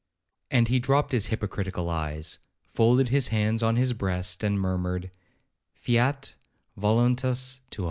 '—And he dropped his hypocritical eyes, folded his hands on his breast, and murmured, 'Fiat voluntas tua.